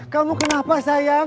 kamu kenapa sayang